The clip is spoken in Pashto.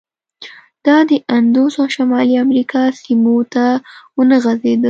دا د اندوس او شمالي امریکا سیمو ته ونه غځېد.